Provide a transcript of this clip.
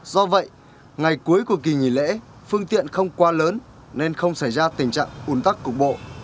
do vậy ngày cuối của kỳ nghỉ lễ phương tiện không qua lớn nên không xảy ra tình trạng ủn tắc cục bộ